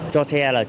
cho xe là